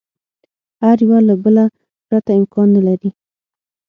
هر یوه له بله پرته امکان نه لري.